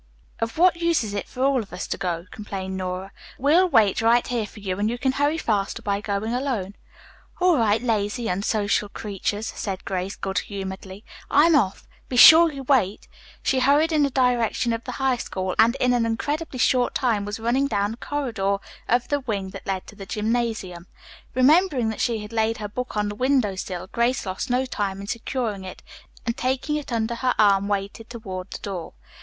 "Of what use is it for all of us to go," complained Nora. "We'll wait right here for you and you can hurry faster by going alone." "All right, lazy, unsocial creatures," said Grace good humoredly. "I'm off. Be sure you wait." She hurried in the direction of the High School and in an incredibly short time was running down the corridor of the wing that led to the gymnasium. Remembering that she had laid her book on the window sill, Grace lost no time in securing it, and taking it under her arm waited toward the door.